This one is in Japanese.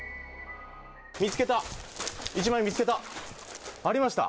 見つけた、一万円見つけた。